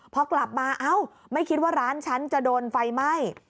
พอกลับมาเอ้าไม่คิดว่าร้านฉันจะโดนไฟไหม้